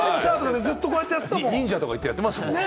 忍者とか言ってやってましたよね。